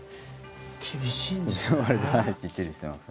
厳しいんですね。